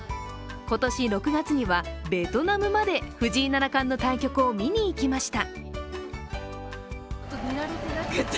今年６月にはベトナムまで藤井七冠の対局を見に行きました。